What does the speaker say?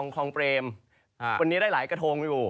เดี๋ยว